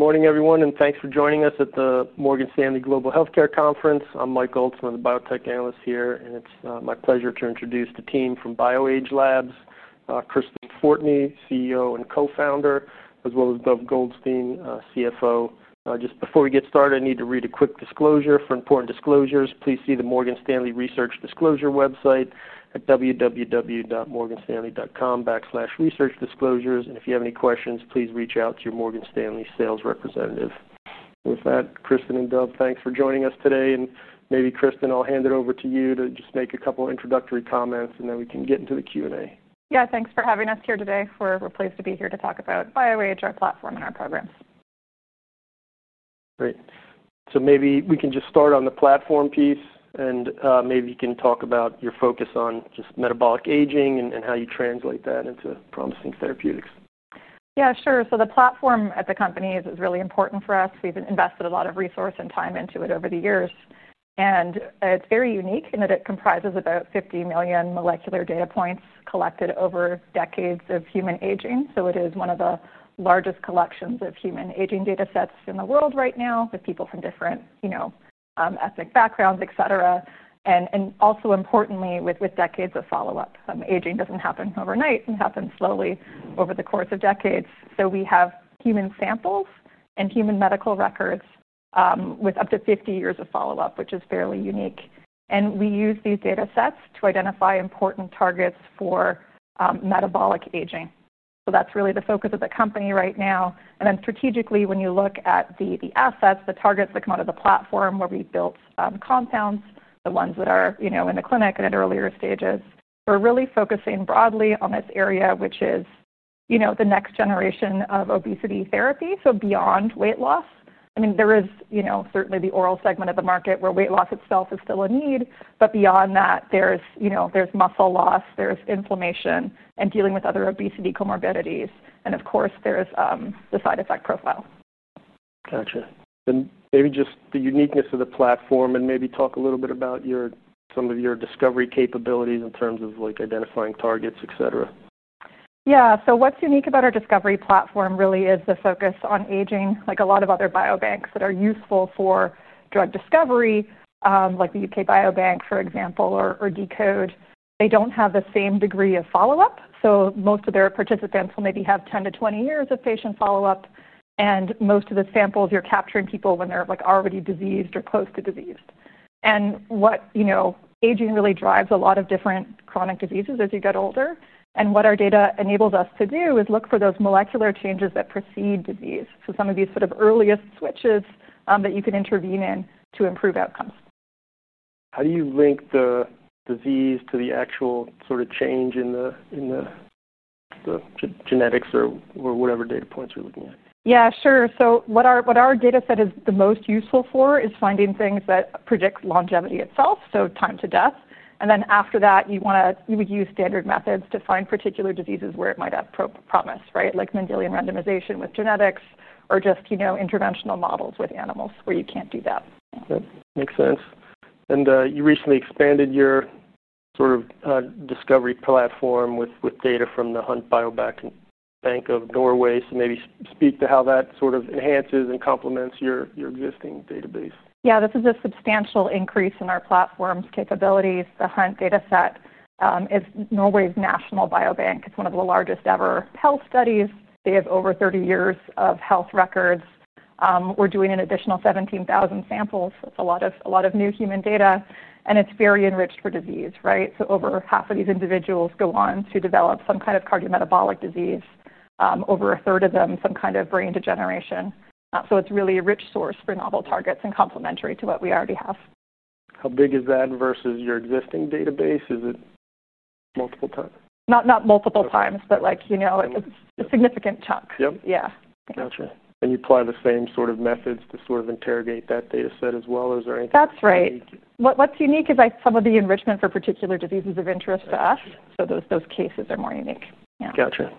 All right. Good morning, everyone, and thanks for joining us at the Morgan Stanley Global Health Care Conference. I'm Mike Goldstein, the biotech analyst here, and it's my pleasure to introduce the team from BioAge Labs, Kristen Fortney, CEO and co-founder, as well as Dov Goldstein, CFO. Just before we get started, I need to read a quick disclosure for important disclosures. Please see the Morgan Stanley Research Disclosure website at www.morganstanley.com/researchdisclosures. If you have any questions, please reach out to your Morgan Stanley sales representative. With that, Kristen and Dov, thanks for joining us today. Maybe, Kristen, I'll hand it over to you to just make a couple of introductory comments, and then we can get into the Q&A. Yeah, thanks for having us here today. We're pleased to be here to talk about BioAge Labs, our platform, and our programs. Great. Maybe we can just start on the platform piece, and maybe you can talk about your focus on just metabolic aging and how you translate that into promising therapeutics. Yeah, sure. The platform at the company is really important for us. We've invested a lot of resource and time into it over the years. It is very unique in that it comprises about 50 million molecular data points collected over decades of human aging. It is one of the largest collections of human aging data sets in the world right now with people from different, you know, ethnic backgrounds, et cetera. Also, importantly, with decades of follow-up. Aging doesn't happen overnight. It happens slowly over the course of decades. We have human samples and human medical records with up to 50 years of follow-up, which is fairly unique. We use these data sets to identify important targets for metabolic aging. That's really the focus of the company right now. Strategically, when you look at the assets, the targets that come out of the platform where we built compounds, the ones that are in the clinic and at earlier stages, we're really focusing broadly on this area, which is the next generation of obesity therapy, so beyond weight loss. There is certainly the oral segment of the market where weight loss itself is still a need. Beyond that, there's muscle loss, there's inflammation, and dealing with other obesity comorbidities. Of course, there's the side effect profile. Gotcha. Maybe just the uniqueness of the platform and maybe talk a little bit about some of your discovery capabilities in terms of identifying targets, et cetera. Yeah. What's unique about our discovery platform really is the focus on aging. Like a lot of other biobanks that are useful for drug discovery, like the UK Biobank, for example, or DCODE, they don't have the same degree of follow-up. Most of their participants will maybe have 10 to 20 years of patient follow-up, and most of the samples, you're capturing people when they're already diseased or close to diseased. Aging really drives a lot of different chronic diseases as you get older. What our data enables us to do is look for those molecular changes that precede disease, so some of these sort of earliest switches that you can intervene in to improve outcomes. How do you link the disease to the actual sort of change in the genetics or whatever data points you're looking at? Yeah, sure. What our data set is the most useful for is finding things that predict longevity itself, so time to death. After that, you would use standard methods to find particular diseases where it might have promise, right, like Mendelian randomization with genetics or just interventional models with animals where you can't do that. That makes sense. You recently expanded your sort of discovery platform with data from the HUNT Biobank of Norway. Maybe speak to how that sort of enhances and complements your existing database. Yeah, this is a substantial increase in our platform's capabilities. The HUNT Biobank data set is Norway's national biobank. It's one of the largest ever health studies. They have over 30 years of health records. We're doing an additional 17,000 samples. It's a lot of new human data. It's very enriched for disease, right? Over 50% of these individuals go on to develop some kind of cardiometabolic disease. Over 33% of them, some kind of brain degeneration. It's really a rich source for novel targets and complementary to what we already have. How big is that versus your existing database? Is it multiple times? Not multiple times, but it's a significant chunk. Yep. Yeah. Gotcha. You apply the same sort of methods to sort of interrogate that data set as well. Is there anything? That's right. What's unique is some of the enrichment for particular diseases of interest to us. Those cases are more unique. Gotcha.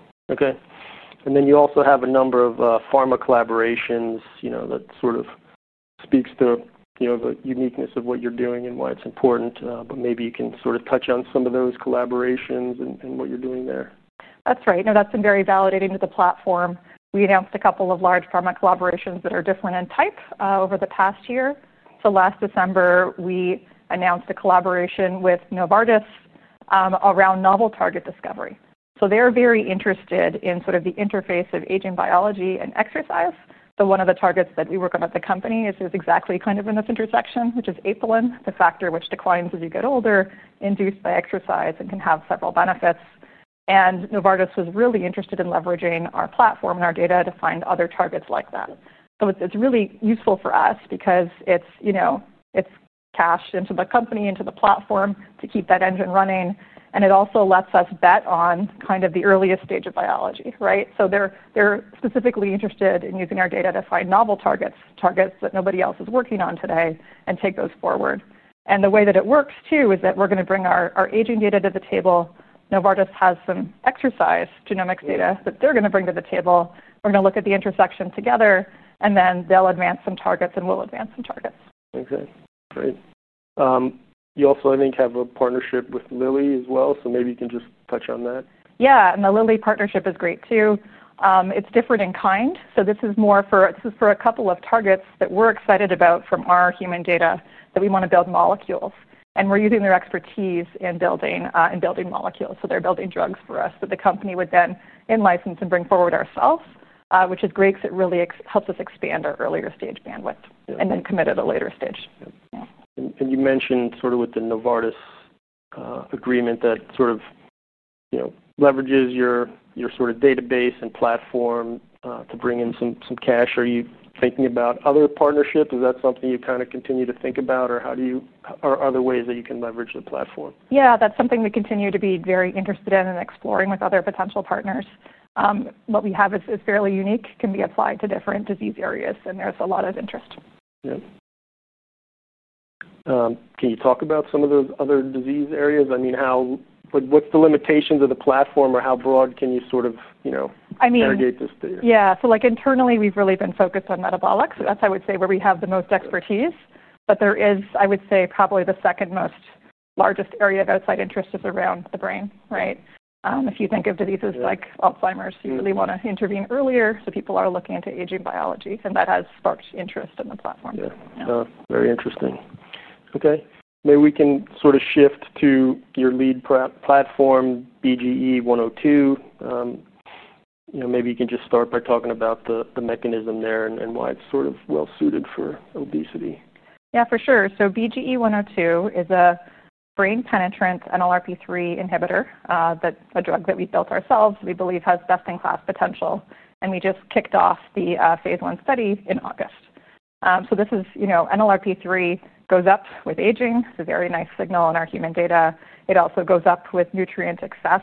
OK. You also have a number of pharma collaborations that sort of speak to the uniqueness of what you're doing and why it's important. Maybe you can sort of touch on some of those collaborations and what you're doing there. That's right. No, that's been very validating to the platform. We announced a couple of large pharma collaborations that are different in type over the past year. Last December, we announced a collaboration with Novartis around novel target discovery. They're very interested in sort of the interface of aging biology and exercise. One of the targets that we work on at the company is exactly kind of in this intersection, which is apolin, the factor which declines as you get older, induced by exercise and can have several benefits. Novartis was really interested in leveraging our platform and our data to find other targets like that. It's really useful for us because it's cashed into the company, into the platform to keep that engine running. It also lets us bet on kind of the earliest stage of biology, right? They're specifically interested in using our data to find novel targets, targets that nobody else is working on today, and take those forward. The way that it works, too, is that we're going to bring our aging data to the table. Novartis has some exercise genomics data that they're going to bring to the table. We're going to look at the intersection together. They'll advance some targets, and we'll advance some targets. OK, great. You also, I think, have a partnership with Eli Lilly as well. Maybe you can just touch on that. Yeah. The Lilly partnership is great, too. It is different in kind. This is more for a couple of targets that we're excited about from our human data that we want to build molecules. We're using their expertise in building molecules. They're building drugs for us that the company would then license and bring forward ourselves, which is great because it really helps us expand our earlier stage bandwidth and then commit at a later stage. Yeah. You mentioned with the Novartis agreement that leverages your database and platform to bring in some cash. Are you thinking about other partnerships? Is that something you continue to think about? How do you or other ways that you can leverage the platform? That's something we continue to be very interested in and exploring with other potential partners. What we have is fairly unique, can be applied to different disease areas, and there's a lot of interest. Yeah. Can you talk about some of the other disease areas? I mean, what the limitations of the platform are? How broad can you sort of interrogate this data? Yeah. Internally, we've really been focused on metabolics. That's, I would say, where we have the most expertise. There is, I would say, probably the second most largest area of outside interest around the brain, right? If you think of diseases like Alzheimer's, you really want to intervene earlier. People are looking into aging biology, and that has sparked interest in the platform. Yeah, very interesting. OK. Maybe we can sort of shift to your lead platform, BGE-102. Maybe you can just start by talking about the mechanism there and why it's sort of well-suited for obesity. For sure. BGE-102 is a brain-penetrant NLRP3 inhibitor. That's a drug that we built ourselves, we believe has best-in-class potential. We just kicked off the phase 1 study in August. NLRP3 goes up with aging. It's a very nice signal in our human data. It also goes up with nutrient excess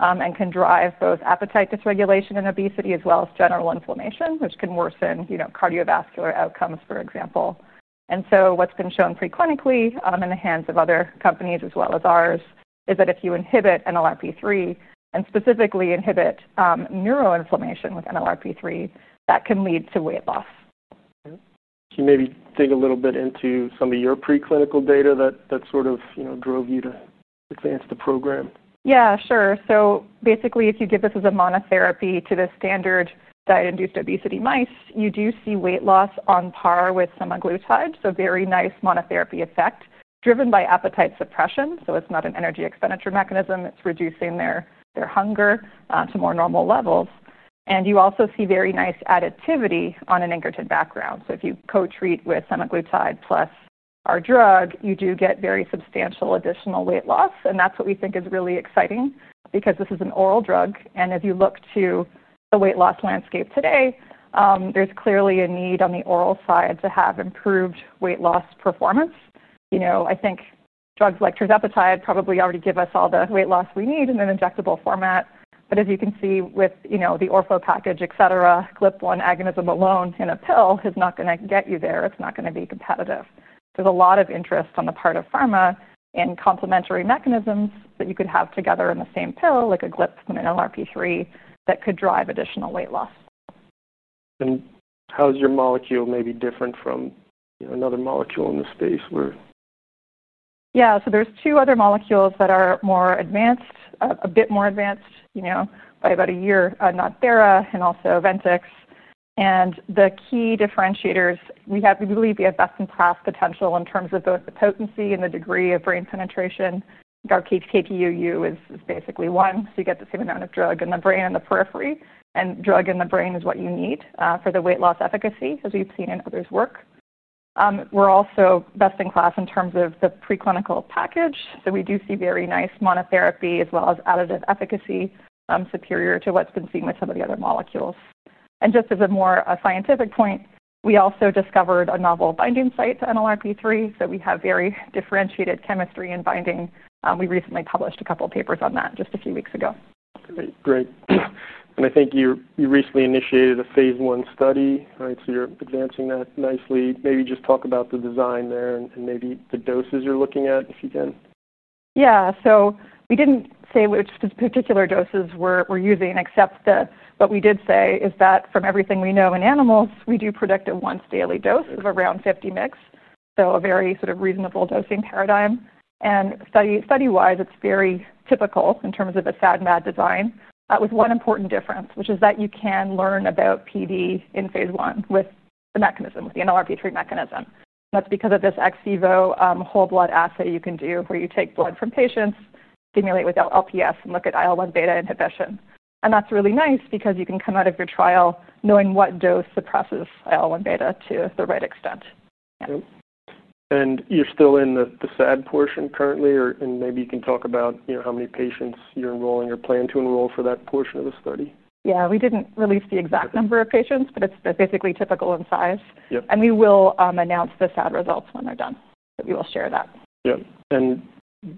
and can drive both appetite dysregulation and obesity, as well as general inflammation, which can worsen cardiovascular outcomes, for example. What's been shown preclinically in the hands of other companies, as well as ours, is that if you inhibit NLRP3 and specifically inhibit neuroinflammation with NLRP3, that can lead to weight loss. Can you maybe dig a little bit into some of your preclinical data that sort of drove you to advance the program? Yeah, sure. Basically, if you give this as a monotherapy to the standard diet-induced obesity mice, you do see weight loss on par with semaglutide, so a very nice monotherapy effect driven by appetite suppression. It's not an energy expenditure mechanism. It's reducing their hunger to more normal levels. You also see very nice additivity on an incretin background. If you co-treat with semaglutide plus our drug, you do get very substantial additional weight loss. That's what we think is really exciting because this is an oral drug. As you look to the weight loss landscape today, there's clearly a need on the oral side to have improved weight loss performance. I think drugs like tirzepatide probably already give us all the weight loss we need in an injectable format. As you can see with the Orpho package, etc., GLP-1 agonism alone in a pill is not going to get you there. It's not going to be competitive. There's a lot of interest on the part of pharma and complementary mechanisms that you could have together in the same pill, like a GLP-1 NLRP3, that could drive additional weight loss. How is your molecule maybe different from another molecule in this space? Yeah. There are two other molecules that are a bit more advanced by about a year, not Thera, and also Ventex. The key differentiators, we believe, are best-in-class potential in terms of both the potency and the degree of brain penetration. Our KPUU is basically one, so you get the same amount of drug in the brain and the periphery. Drug in the brain is what you need for the weight loss efficacy, as we've seen in others' work. We're also best-in-class in terms of the preclinical package. We do see very nice monotherapy, as well as additive efficacy, superior to what's been seen with some of the other molecules. As a more scientific point, we also discovered a novel binding site to NLRP3. We have very differentiated chemistry in binding. We recently published a couple of papers on that just a few weeks ago. Great. I think you recently initiated a phase 1 study, right? You're advancing that nicely. Maybe just talk about the design there and the doses you're looking at, if you can. We didn't say which particular doses we're using, except what we did say is that from everything we know in animals, we do predict a once-daily dose of around 50 mg, so a very sort of reasonable dosing paradigm. Study-wise, it's very typical in terms of a SAD-MAD design with one important difference, which is that you can learn about PD in phase 1 with the NLRP3 mechanism. That's because of this ex vivo whole blood assay you can do where you take blood from patients, stimulate with LPS, and look at IL-1 beta inhibition. That's really nice because you can come out of your trial knowing what dose suppresses IL-1 beta to the right extent. You're still in the SAD portion currently. Maybe you can talk about how many patients you're enrolling or plan to enroll for that portion of the study. Yeah, we didn't release the exact number of patients, but it's basically typical in size. We will announce the SAD results when they're done. We will share that.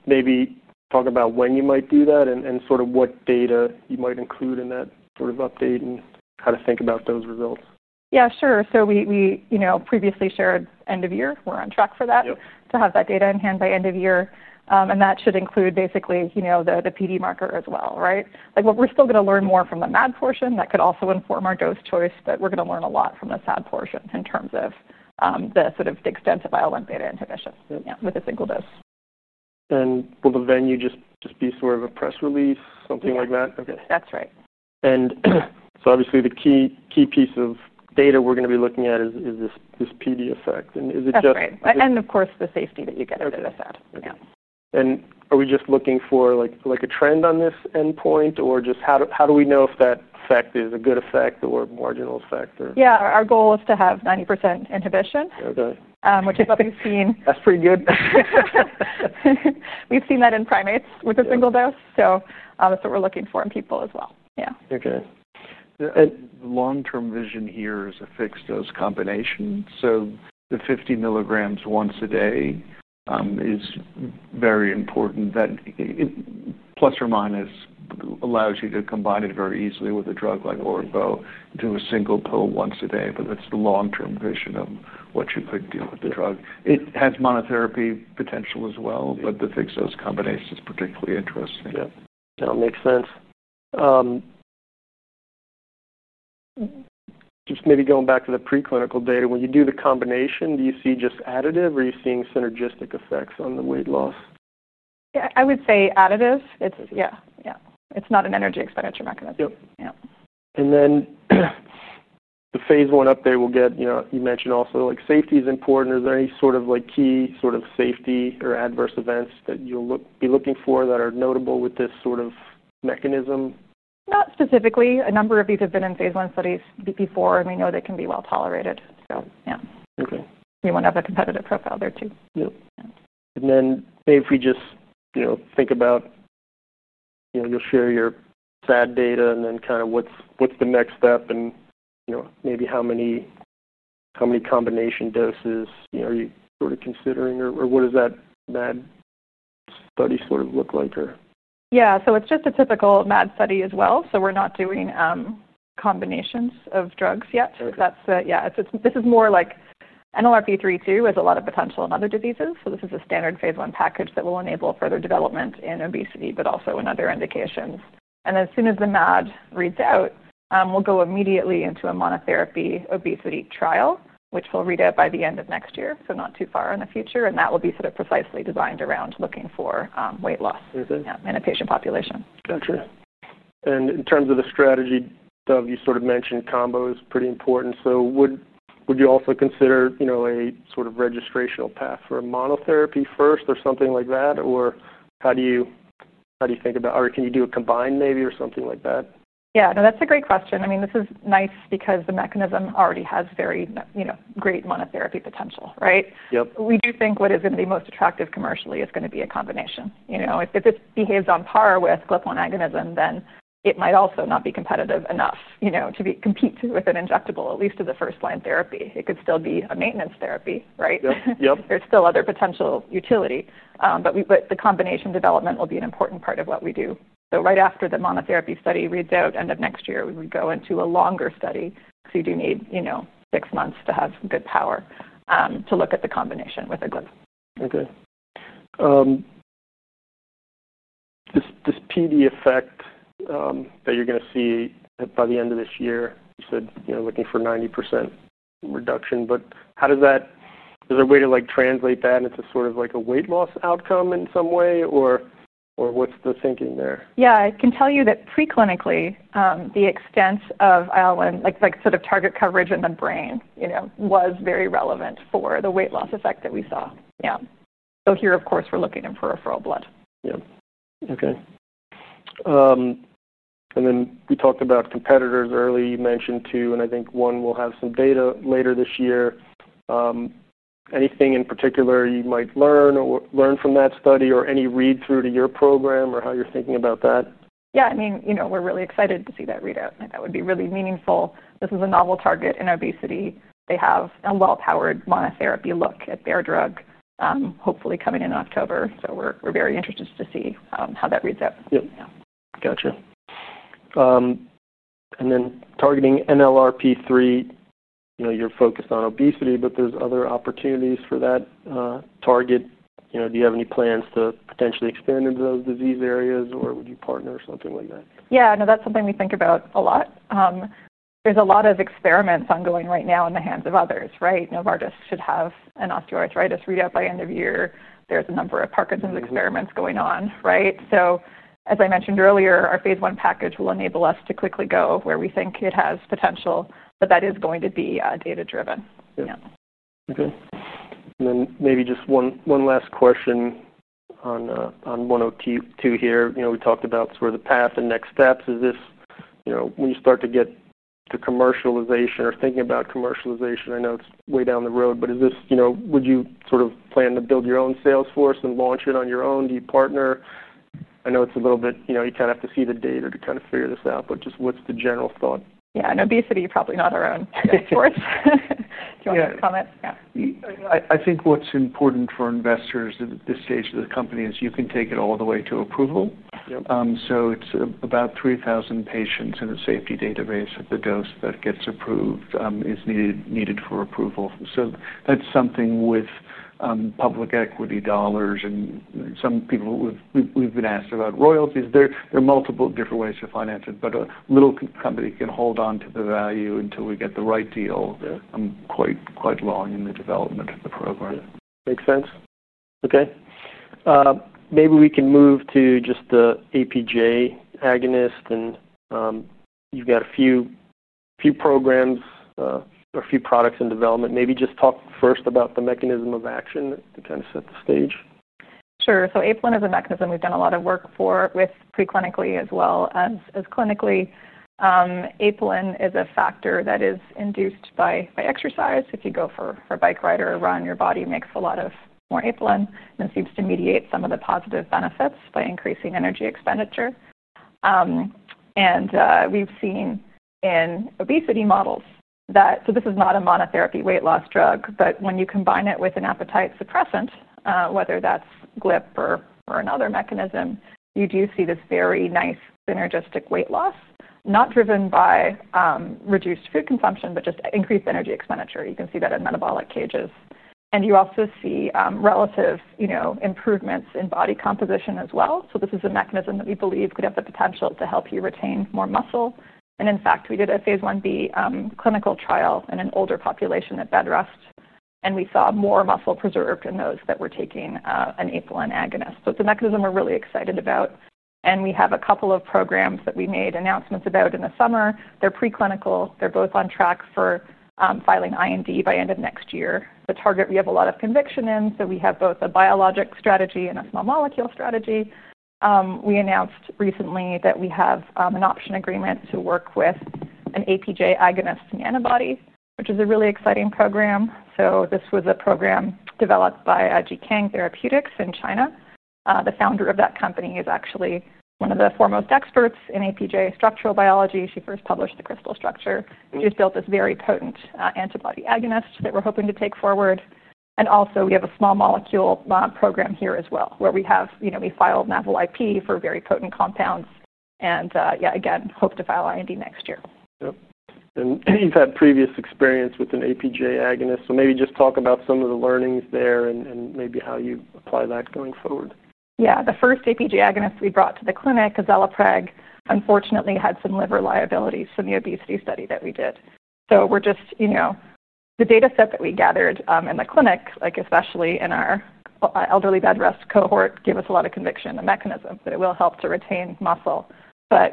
Maybe talk about when you might do that and sort of what data you might include in that sort of update and how to think about those results. Yeah, sure. We previously shared end of year. We're on track for that to have that data in hand by end of year. That should include basically the PD marker as well, right? We're still going to learn more from the MAD portion. That could also inform our dose choice. We're going to learn a lot from the SAD portion in terms of the sort of extent of IL-1 beta inhibition with a single dose. Will the venue just be sort of a press release, something like that? Yeah, that's right. Obviously, the key piece of data we're going to be looking at is this PD effect. Is it just. That's right. Of course, the safety that you get out of the SAD, yeah. Are we just looking for a trend on this endpoint? How do we know if that effect is a good effect or a marginal effect? Yeah, our goal is to have 90% inhibition, which is something we've seen. That's pretty good. We've seen that in primates with a single dose. That's what we're looking for in people as well. OK. The long-term vision here is a fixed-dose oral combination. The 50 milligrams once a day is very important. That plus or minus allows you to combine it very easily with a drug like semaglutide to a single pill once a day. That's the long-term vision of what you could do with the drug. It has monotherapy potential as well. The fixed-dose oral combination is particularly interesting. Yeah, that makes sense. Maybe going back to the preclinical data, when you do the combination, do you see just additive, or are you seeing synergistic effects on the weight loss? I would say additive. It's not an energy expenditure mechanism. The phase 1 update we'll get, you mentioned also safety is important. Are there any sort of key safety or adverse events that you'll be looking for that are notable with this sort of mechanism? Not specifically. A number of these have been in phase 1 trials before, and we know they can be well tolerated. We want to have a competitive profile there, too. Yeah. If we just think about you'll share your SAD data, what's the next step, and maybe how many combination doses are you sort of considering? What does that MAD study look like? Yeah. It's just a typical MAD study as well. We're not doing combinations of drugs yet. This is more like NLRP3 too has a lot of potential in other diseases. This is a standard phase 1 package that will enable further development in obesity, but also in other indications. As soon as the MAD reads out, we'll go immediately into a monotherapy obesity trial, which will read out by the end of next year, so not too far in the future. That will be sort of precisely designed around looking for weight loss in a patient population. Gotcha. In terms of the strategy, Dov, you mentioned combo is pretty important. Would you also consider a registrational path for a monotherapy first or something like that? How do you think about, or can you do it combined maybe or something like that? Yeah, no, that's a great question. I mean, this is nice because the mechanism already has very great monotherapy potential, right? We do think what is going to be most attractive commercially is going to be a combination. If it behaves on par with GLP-1 agonism, then it might also not be competitive enough to compete with an injectable, at least as a first-line therapy. It could still be a maintenance therapy, right? There's still other potential utility. The combination development will be an important part of what we do. Right after the monotherapy study reads out end of next year, we would go into a longer study. You do need six months to have good power to look at the combination with a GLP. OK. This PD effect that you're going to see by the end of this year, you said you're looking for 90% reduction. How does that, is there a way to translate that into sort of like a weight loss outcome in some way? What's the thinking there? I can tell you that preclinically, the extent of IL-1, like sort of target coverage in the brain, was very relevant for the weight loss effect that we saw. Here, of course, we're looking at peripheral blood. OK. We talked about competitors earlier, you mentioned two. I think one will have some data later this year. Is there anything in particular you might learn or learn from that study, or any read-through to your program or how you're thinking about that? Yeah, I mean, we're really excited to see that readout. That would be really meaningful. This is a novel target in obesity. They have a well-powered monotherapy look at their drug, hopefully coming in October. We're very interested to see how that reads out. Gotcha. Targeting NLRP3, you're focused on obesity, but there's other opportunities for that target. Do you have any plans to potentially expand into those disease areas? Would you partner or something like that? Yeah, no, that's something we think about a lot. There are a lot of experiments ongoing right now in the hands of others, right? Novartis should have an osteoarthritis readout by end of year. There are a number of Parkinson's experiments going on, right? As I mentioned earlier, our phase 1 package will enable us to quickly go where we think it has potential. That is going to be data-driven. Yeah. OK. Maybe just one last question on 102 here. We talked about the path and next steps. Is this, when you start to get to commercialization or thinking about commercialization, I know it's way down the road, but would you plan to build your own sales force and launch it on your own? Do you partner? I know you kind of have to see the data to figure this out. What's the general thought? Yeah, in obesity, you're probably not our own sales force. Do you want me to comment? Yeah. I think what's important for investors at this stage of the company is you can take it all the way to approval. It's about 3,000 patients in a safety database of the dose that gets approved is needed for approval. That's something with public equity dollars. Some people, we've been asked about royalties. There are multiple different ways to finance it. A little company can hold on to the value until we get the right deal quite well in the development of the program. Yeah, makes sense. OK. Maybe we can move to just the APJ agonist. You've got a few programs or a few products in development. Maybe just talk first about the mechanism of action to kind of set the stage. Sure. Apolin is a mechanism we've done a lot of work for preclinically as well as clinically. Apolin is a factor that is induced by exercise. If you go for a bike ride or a run, your body makes a lot more apolin. It seems to mediate some of the positive benefits by increasing energy expenditure. We've seen in obesity models that this is not a monotherapy weight loss drug, but when you combine it with an appetite suppressant, whether that's GLP or another mechanism, you do see this very nice synergistic weight loss, not driven by reduced food consumption, just increased energy expenditure. You can see that in metabolic cages. You also see relative improvements in body composition as well. This is a mechanism that we believe could have the potential to help you retain more muscle. In fact, we did a phase 1B clinical trial in an older population at bedrest, and we saw more muscle preserved in those that were taking an apolin agonist. It's a mechanism we're really excited about. We have a couple of programs that we made announcements about in the summer. They're preclinical. They're both on track for filing IND by end of next year. The target we have a lot of conviction in, so we have both a biologic strategy and a small molecule strategy. We announced recently that we have an option agreement to work with an APJ agonist and antibody, which is a really exciting program. This was a program developed by Zhiqang Therapeutics in China. The founder of that company is actually one of the foremost experts in APJ structural biology. She first published the crystal structure. She's built this very potent antibody agonist that we're hoping to take forward. We also have a small molecule program here as well where we filed novel IP for very potent compounds. Again, hope to file IND next year. You have had previous experience with an APJ agonist. Maybe just talk about some of the learnings there and how you apply that going forward. Yeah, the first APJ agonist we brought to the clinic, Azalipreg, unfortunately had some liver liabilities from the obesity study that we did. The data set that we gathered in the clinic, especially in our elderly bedrest cohort, gave us a lot of conviction in the mechanism. It will help to retain muscle.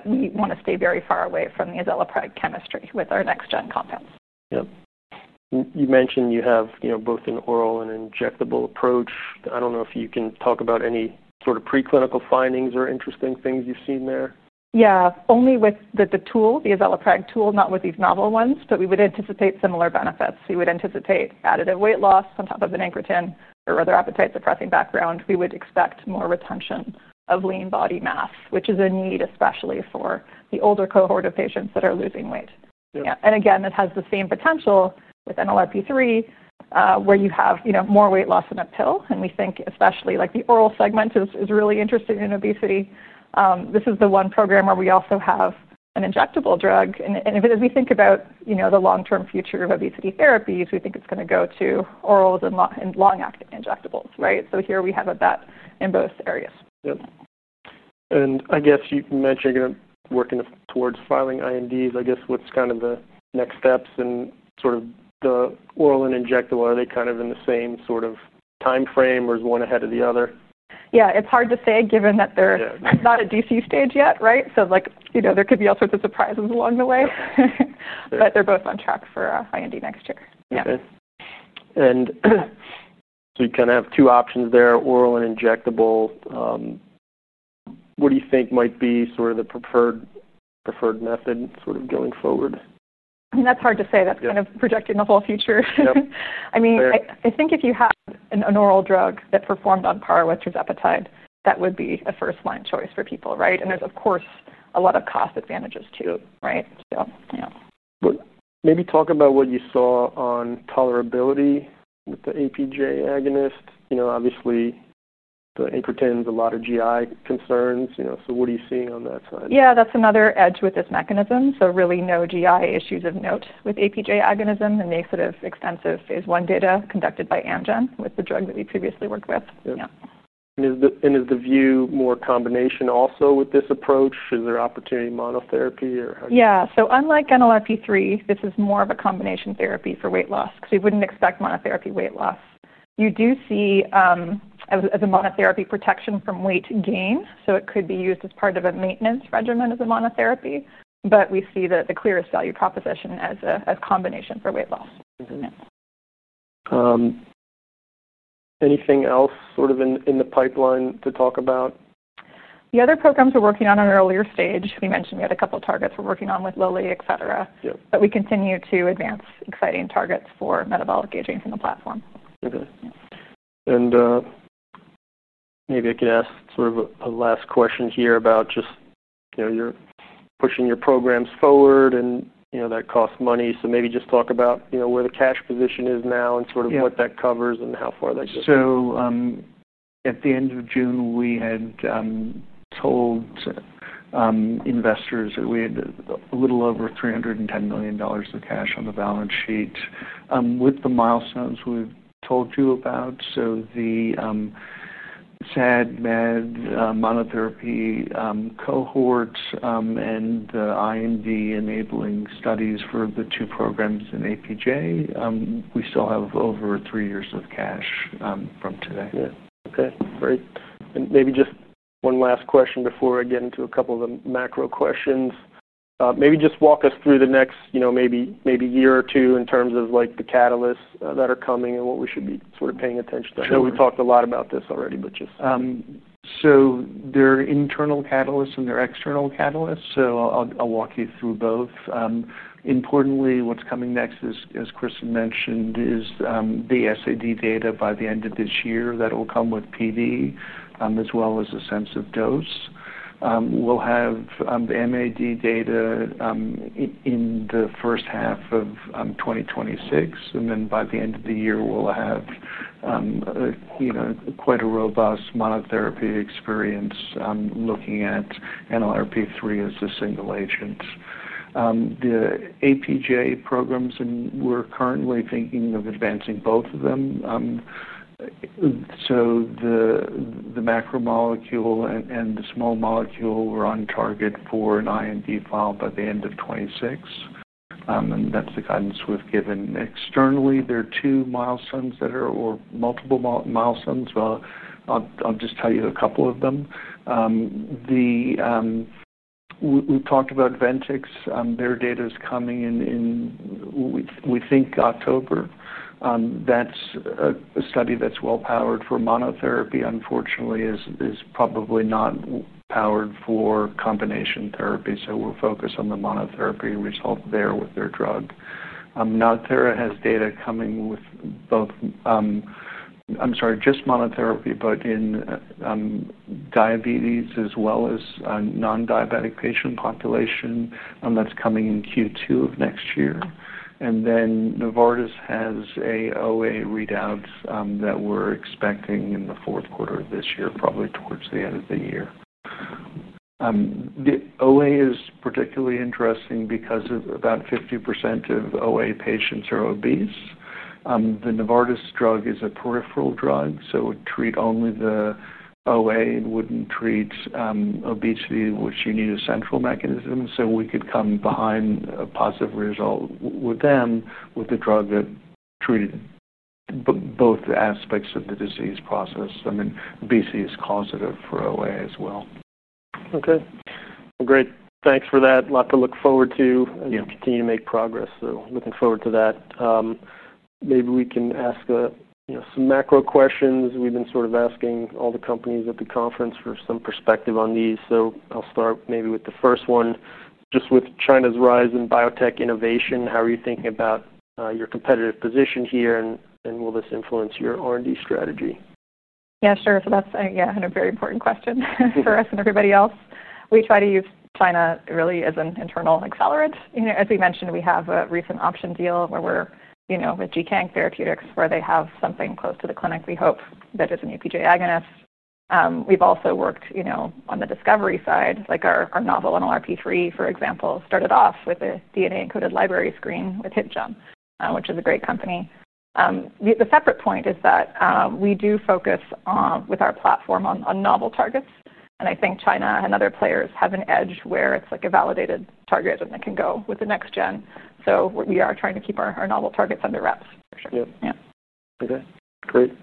We want to stay very far away from the Azalipreg chemistry with our next-gen compounds. You mentioned you have both an oral and injectable approach. I don't know if you can talk about any sort of preclinical findings or interesting things you've seen there. Yeah, only with the tool, the Azalipreg tool, not with these novel ones. We would anticipate similar benefits. We would anticipate additive weight loss on top of an agonist or other appetite suppressing background. We would expect more retention of lean body mass, which is a need especially for the older cohort of patients that are losing weight. This has the same potential with NLRP3 where you have more weight loss in a pill. We think especially the oral segment is really interested in obesity. This is the one program where we also have an injectable drug. As we think about the long-term future of obesity therapies, we think it's going to go to orals and long-acting injectables, right? Here we have a bet in both areas. You mentioned you're going to be working towards filing INDs. What's kind of the next steps in sort of the oral and injectable? Are they kind of in the same sort of time frame or is one ahead of the other? Yeah, it's hard to say given that they're not at IND stage yet, right? There could be all sorts of surprises along the way. They're both on track for IND next year. OK. You kind of have two options there, oral and injectable. What do you think might be the preferred method going forward? That's hard to say. That's kind of projecting the whole future. I think if you had an oral drug that performed on par with tirzepatide, that would be a first-line choice for people, right? There's, of course, a lot of cost advantages, too, right? Yeah. Maybe talk about what you saw on tolerability with the APJ agonist. Obviously, the ingredient has a lot of GI concerns. What are you seeing on that side? Yeah, that's another edge with this mechanism. There are really no GI issues of note with APJ agonism. They have extensive phase 1 data conducted by Amgen with the drug that we previously worked with. Is the view more combination also with this approach? Is there opportunity monotherapy? Unlike NLRP3, this is more of a combination therapy for weight loss because we wouldn't expect monotherapy weight loss. You do see as a monotherapy protection from weight gain, so it could be used as part of a maintenance regimen as a monotherapy. We see the clearest value proposition as a combination for weight loss. Anything else in the pipeline to talk about? The other programs we're working on at an earlier stage, we mentioned yet a couple of targets we're working on with Eli Lilly, et cetera. We continue to advance exciting targets for metabolic aging from the platform. OK. Maybe I can ask sort of a last question here about just you're pushing your programs forward. That costs money. Maybe just talk about where the cash position is now, what that covers, and how far that goes. At the end of June, we had told investors that we had a little over $310 million of cash on the balance sheet with the milestones we've told you about. The SAD-MAD monotherapy cohort and the IND enabling studies for the two programs in APJ, we still have over three years of cash from today. OK. Great. Maybe just one last question before I get into a couple of the macro questions. Maybe just walk us through the next year or two in terms of the catalysts that are coming and what we should be sort of paying attention to. I know we talked a lot about this already, but just. There are internal catalysts and there are external catalysts. I'll walk you through both. Importantly, what's coming next, as Kristen mentioned, is the SAD data by the end of this year that will come with PD as well as a sense of dose. We'll have the MAD data in the first half of 2026. By the end of the year, we'll have quite a robust monotherapy experience looking at NLRP3 as a single agent. The APJ agonist programs, and we're currently thinking of advancing both of them. The macromolecule and the small molecule are on target for an IND filing by the end of 2026. That's the guidance we've given externally. There are two milestones or multiple milestones. I'll just tell you a couple of them. We've talked about Ventex. Their data is coming in, we think, October. That's a study that's well-powered for monotherapy. Unfortunately, it is probably not powered for combination therapy. We're focused on the monotherapy result there with their drug. Thera has data coming with just monotherapy, but in diabetes as well as non-diabetic patient population. That's coming in Q2 of next year. Novartis has AOA readouts that we're expecting in the fourth quarter of this year, probably towards the end of the year. The OA is particularly interesting because about 50% of OA patients are obese. The Novartis drug is a peripheral drug. It would treat only the OA and wouldn't treat obesity, which you need a central mechanism. We could come behind a positive result with them with the drug that treated both the aspects of the disease process. Obesity is causative for OA as well. Great, thanks for that. A lot to look forward to and continue to make progress. Looking forward to that. Maybe we can ask some macro questions. We've been sort of asking all the companies at the conference for some perspective on these. I'll start maybe with the first one, just with China's rise in biotech innovation. How are you thinking about your competitive position here? Will this influence your R&D strategy? Yeah, sure. That's a very important question for us and everybody else. We try to use China really as an internal accelerant. As we mentioned, we have a recent option deal where we're with Zhiqang Therapeutics where they have something close to the clinic, we hope, that is an APJ agonist. We've also worked on the discovery side. Like our novel NLRP3, for example, started off with a DNA encoded library screen with HipGen, which is a great company. The separate point is that we do focus with our platform on novel targets. I think China and other players have an edge where it's like a validated target. It can go with the next gen. We are trying to keep our novel targets under wraps. OK. Great.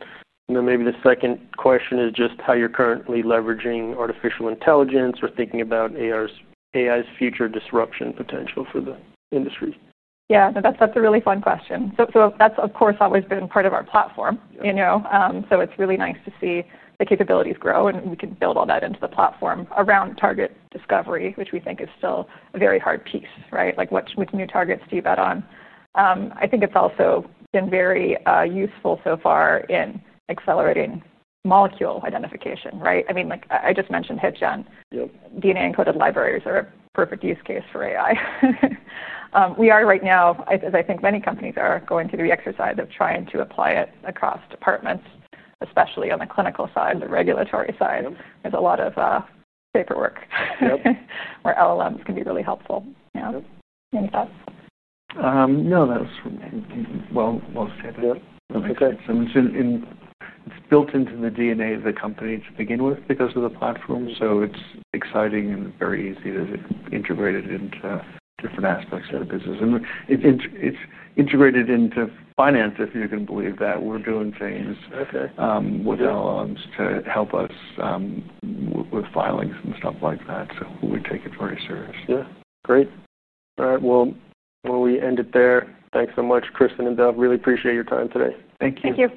Maybe the second question is just how you're currently leveraging artificial intelligence or thinking about AI's future disruption potential for the industry. Yeah, no, that's a really fun question. That's, of course, always been part of our platform. It's really nice to see the capabilities grow. We can build all that into the platform around target discovery, which we think is still a very hard piece, right? Like which new targets do you bet on? I think it's also been very useful so far in accelerating molecule identification, right? I mean, like I just mentioned HipGen. DNA encoded libraries are a perfect use case for AI. We are right now, as I think many companies are, going through the exercise of trying to apply it across departments, especially on the clinical side, the regulatory side. There's a lot of paperwork where LLMs can be really helpful. Yeah. Any thoughts? No, that was well said. Yeah, OK. It is built into the DNA of the company to begin with because of the platform. It is exciting and very easy to integrate it into different aspects of the business. It is integrated into finance, if you can believe that. We are doing things with LLMs to help us with filings and stuff like that. We take it very serious. Great. All right, we'll end it there. Thanks so much, Kristen and Dov. Really appreciate your time today. Thank you. Yeah.